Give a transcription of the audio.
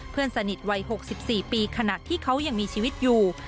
เพื่อนสนิทวัย๖๔ปีขณะที่เขายังมีชีวิตอยู่